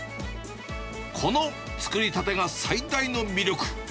この作りたてが最大の魅力。